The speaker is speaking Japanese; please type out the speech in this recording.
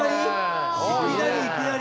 いきなり？